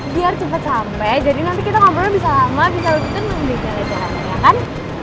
biar cepet sampe jadi nanti kita ngobrol lebih lama bisa lebih tenang di jalan jalan ya kan